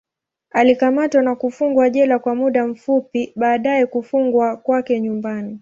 Alikamatwa na kufungwa jela kwa muda fupi, baadaye kufungwa kwake nyumbani.